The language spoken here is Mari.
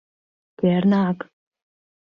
Кернак!